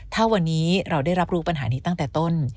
ถ้าวันนี้เราได้รับรู้ปัญหานี้ตั้งแต่ต้น